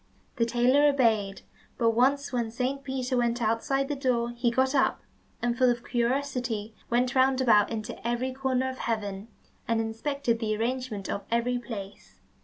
The tailor obeyed, but once when Saint Peter went outside the door, he got up, and full of curiosity, went round about into every corner of heaven, and inspected the arrangement of every place.